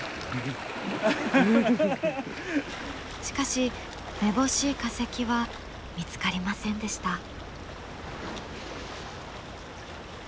しかしめぼしい化石は見つかりませんでした。